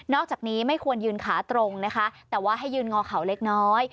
อกจากนี้ไม่ควรยืนขาตรงนะคะแต่ว่าให้ยืนงอเขาเล็กน้อย